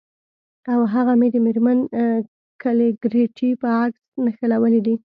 او هغه مې د میرمن کلیګرتي په عکس نښلولي دي